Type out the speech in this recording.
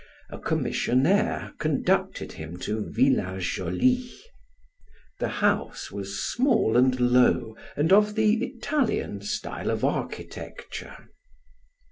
A commissionnaire conducted him to Villa Jolie. The house was small and low, and of the Italian style of architecture.